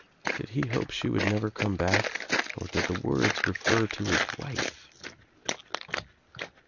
Did he hope she would never come back or did the words refer to his wife?